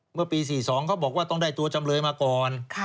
เมื่อปี๔๒เขาบอกว่าต้องได้ตัวจำเลยมาก่อน